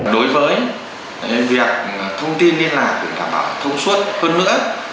đối với việc thông tin liên lạc để đảm bảo thông suất hơn nữa